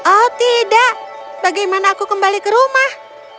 oh tidak bagaimana aku kembali ke rumah